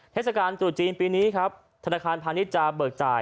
เทศกาลตรุษจีนปีนี้ครับธนาคารพาณิชย์จะเบิกจ่าย